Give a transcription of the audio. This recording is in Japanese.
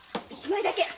１枚だけ。